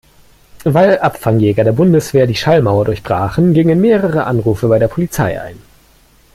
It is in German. Weil Abfangjäger der Bundeswehr die Schallmauer durchbrachen, gingen mehrere Anrufe bei der Polizei ein.